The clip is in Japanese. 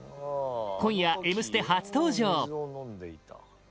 今夜「Ｍステ」初登場